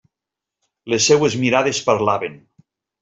Les seues mirades parlaven.